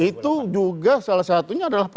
itu juga salah satunya adalah